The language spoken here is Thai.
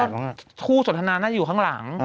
คู่สนทนาน่าจะอยู่ข้างหลัง